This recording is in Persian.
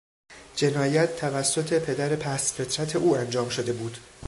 جنایت توسط پدر پستفطرت او انجام شده بود.